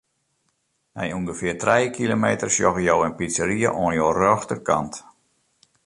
Nei ûngefear trije kilometer sjogge jo in pizzeria oan jo rjochterkant.